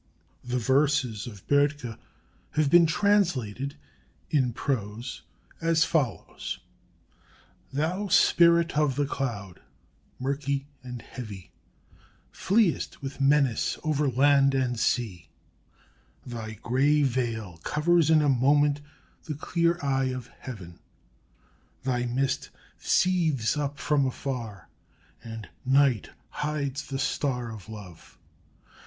The verses of Böttger have been translated (in prose) as follows: "Thou Spirit of the Cloud, murky and heavy, fliest with menace over land and sea; thy gray veil covers in a moment the clear eye of heaven; thy mist seethes up from afar, and Night hides the Star of Love.